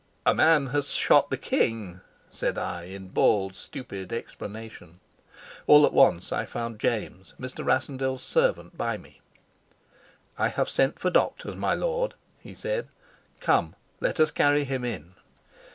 "A man has shot the king," said I, in bald, stupid explanation. All at once I found James, Mr. Rassendyll's servant, by me. "I have sent for doctors, my lord," he said. "Come, let us carry him in."